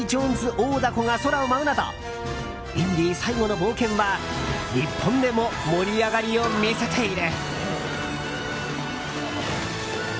大だこが宙を舞うなどインディ最後の冒険は日本でも盛り上がりを見せている。